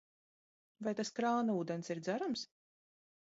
Vai tas krāna ūdens ir dzerams?